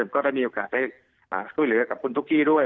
ก็ได้มีโอกาสได้ช่วยเหลือกับคุณตุ๊กกี้ด้วย